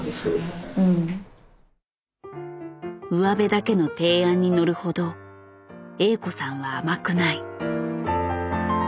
上辺だけの提案に乗るほどＡ子さんは甘くない。